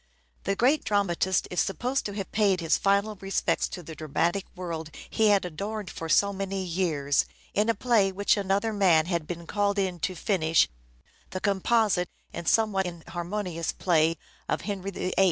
The great dramatist is supposed to have paid his final respects to the dramatic world he had adorned for so many years, in a play which another man had been called in to finish — the composite and somewhat inharmonious play of " Henry VIII."